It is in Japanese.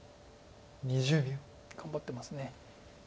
頑張ってます。